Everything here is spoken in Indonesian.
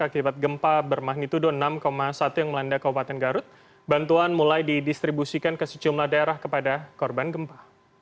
akibat gempa bermagnitudo enam satu yang melanda kabupaten garut bantuan mulai didistribusikan ke sejumlah daerah kepada korban gempa